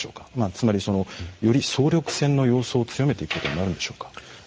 つまり、より総力戦の様相を強めていくことになるんでしょうか。